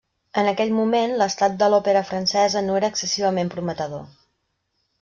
En aquell moment, l'estat de l'òpera francesa no era excessivament prometedor.